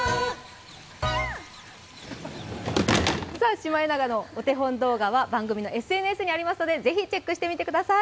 シマエナガのお手本動画は番組のＳＮＳにありますので、ぜひチェックしてみてください。